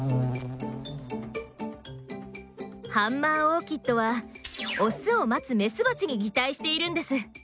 ハンマーオーキッドはオスを待つメスバチに擬態しているんです。